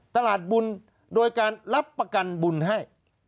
ตลาดบุญโดยการรับประกันบุญให้